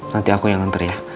nanti aku yang antri ya